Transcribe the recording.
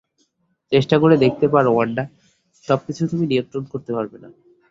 চেষ্টা করে দেখতে পারো, ওয়ান্ডা, সবকিছু তুমি নিয়ন্ত্রণ করতে পারবে না।